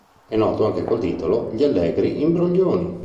È noto anche col titolo Gli allegri imbroglioni.